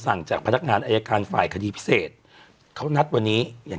สั่งจากพนักงานอายการฝ่ายคดีพิเศษเขานัดวันนี้อย่าง